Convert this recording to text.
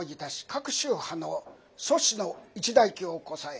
各宗派の祖師の一代記をこさえ